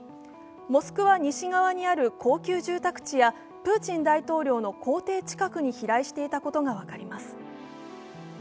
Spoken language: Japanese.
モスクワ西側にある高級住宅地や、プーチン大統領の公邸近くに飛来していたことが分かります。